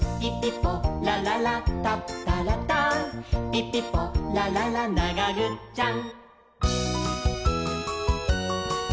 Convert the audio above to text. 「ピピポラララながぐっちゃん！！」